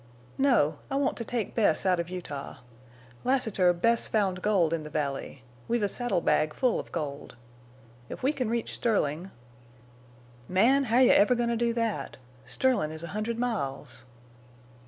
"No. I want to take Bess out of Utah. Lassiter, Bess found gold in the valley. We've a saddle bag full of gold. If we can reach Sterling—" "Man! how're you ever goin' to do that? Sterlin' is a hundred miles."